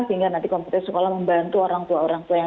sehingga nanti komite sekolah membantu orang tua orang tua